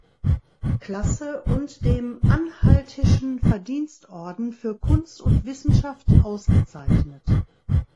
Klasse und dem anhaltischen Verdienstorden für Kunst und Wissenschaft ausgezeichnet.